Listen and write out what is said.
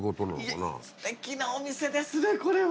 すてきなお店ですねこれは。